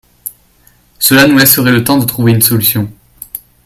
Cela nous laisserait le temps de trouver une solution